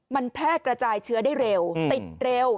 มันแพร่กระจายเชื้อได้เร็วติดเร็ว